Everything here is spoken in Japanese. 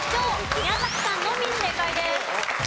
宮崎さんのみ正解です。